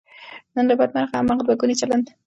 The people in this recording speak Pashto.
نن له بده مرغه، هماغه دوهګونی چلند نه یوازې پاتې دی